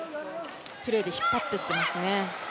プレーで引っ張っていっていますね。